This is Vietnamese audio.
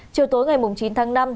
chiều tối ngày chín tháng năm